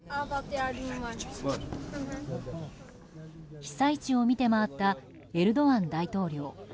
被災地を見て回ったエルドアン大統領。